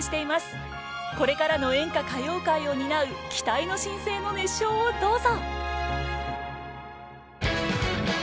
これからの演歌・歌謡界を担う期待の新星の熱唱をどうぞ！